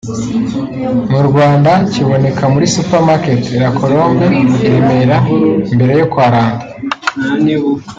mu Rwanda kiboneka muri Supermarket La Colombe i Remera imbere yo kwa Lando